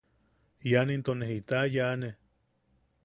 ¿Ian into ne jita yaane?